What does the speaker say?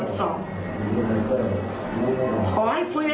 ไต้ปรบ๓๒